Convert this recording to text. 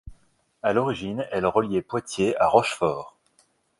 À l'origine, elle reliait Poitiers à Rochefort.